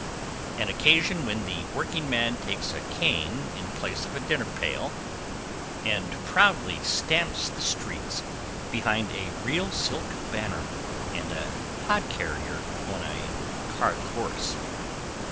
An occasion when the workingman takes a cane in place of a dinner pail and proudly tramps the streets behind a real silk banner and a Hod Carrier on a Cart Horse.